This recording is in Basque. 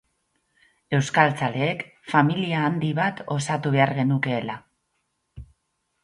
Euskaltzaleek familia handi bat osatu behar genukeela.